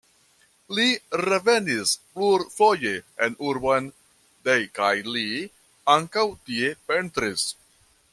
Li revenis plurfoje en urbon Dej kaj li ankaŭ tie pentris.